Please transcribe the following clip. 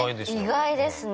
意外ですね。